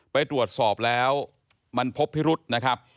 ไปตรวจสอบแล้วมันพบพิรุษนะครับ